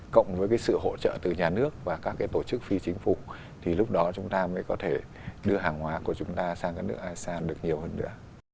cộng với sự hỗ trợ từ nhà nước và các tổ chức phi chính phủ thì lúc đó chúng ta mới có thể đưa hàng hóa của chúng ta sang các nước asean được nhiều hơn nữa